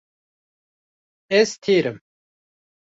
Ez têr im.